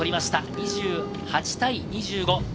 ２８対２５。